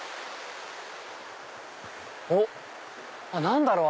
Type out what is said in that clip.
おっ何だろう？